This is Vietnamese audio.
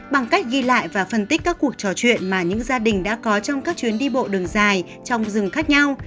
bằng cách ghi lại và phân tích các cuộc trò chuyện mà những gia đình đã có trong các chuyến đi bộ đường dài trong rừng khác nhau